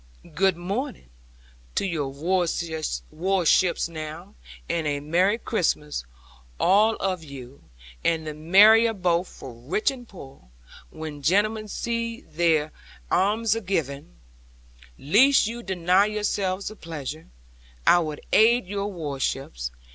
'"Good morning to your warships now, and a merry Christmas all of you! And the merrier both for rich and poor, when gentlemen see their almsgiving. Lest you deny yourselves the pleasure, I will aid your warships.